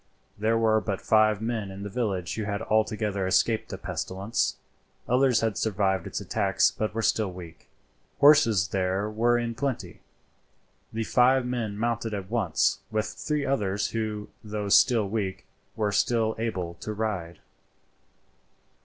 There were but five men in the village who had altogether escaped the pestilence; others had survived its attacks, but were still weak. Horses there were in plenty. The five men mounted at once, with three others who, though still weak, were still able to ride.